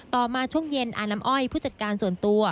มาช่วงเย็นอาน้ำอ้อยผู้จัดการส่วนตัว